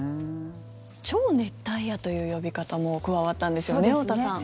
超熱帯夜という呼び方も加わったんですよね、太田さん。